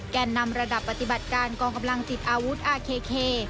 แก่นำระดับปฏิบัติการกองกำลังติดอาวุธอาเค